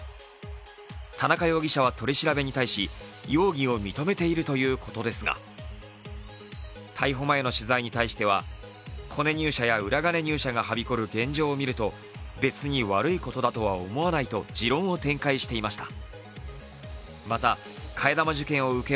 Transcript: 田中容疑者は取り調べに対し容疑を認めているということですが逮捕前の取材に対してはコネ入社や裏金入社がはびこる現状を見ると、別に悪いことだとは思わないと持論を展開していました。